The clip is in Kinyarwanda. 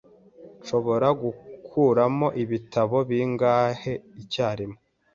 Nshobora gukuramo ibitabo bingahe icyarimwe?